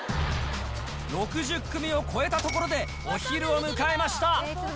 ６０組を超えたところで、お昼を迎えました。